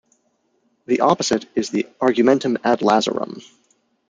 The opposite is the "argumentum ad lazarum".